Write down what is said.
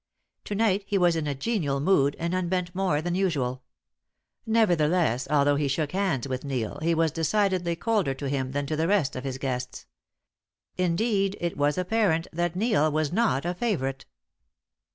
To night he was in a genial mood, and unbent more than usual. Nevertheless, although he shook hands with Neil, he was decidedly colder to him than to the rest of his guests. Indeed, it was apparent that Neil was not a favourite.